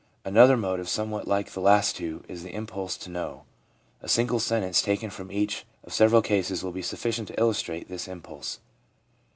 Another motive somewhat like the last two is the impulse to know. A single sentence taken from each of several cases will be sufficient to illustrate this im pulse.